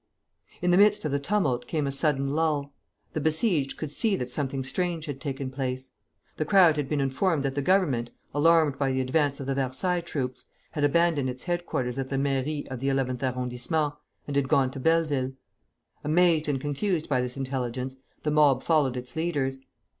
In the midst of the tumult came a sudden lull; the besieged could see that something strange had taken place. The crowd had been informed that the Government, alarmed by the advance of the Versailles troops, had abandoned its headquarters at the mairie of the Eleventh Arrondissement, and had gone to Belleville. Amazed and confused by this intelligence, the mob followed its leaders.